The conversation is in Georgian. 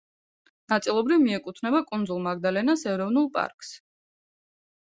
ნაწილობრივ მიეკუთვნება კუნძულ მაგდალენას ეროვნულ პარკს.